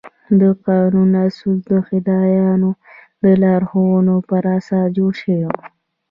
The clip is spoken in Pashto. د قانون اصول د خدایانو د لارښوونو پر اساس جوړ شوي وو.